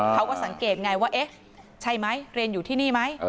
เขาก็สังเกตไงว่าเอ๊ะใช่ไหมเรียนอยู่ที่นี่ไหม